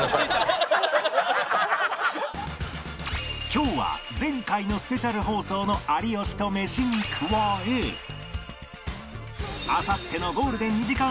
今日は前回のスペシャル放送の有吉とメシに加えあさってのゴールデン２時間